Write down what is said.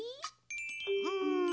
うん。